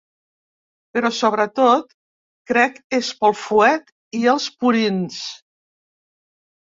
Però sobretot, crec és pel fuet i els purins.